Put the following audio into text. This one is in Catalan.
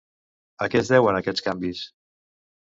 A què es deuen aquests canvis?